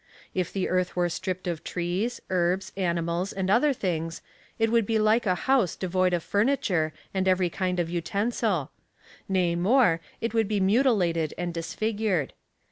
For if the earth were stripped of trees, herbs, animals, and other things, it would be like a house devoid of furniture and every kind of utensil : nay more, it would be mutilated and disfigured.